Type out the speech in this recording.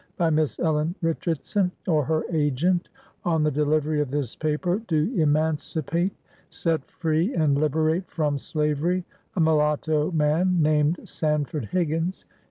by Miss Ellen Richardson, or her agent, on the delivery of this paper, do emanci pate, set free, and liberate from slavery, a mulatto man named Sanford Higgins.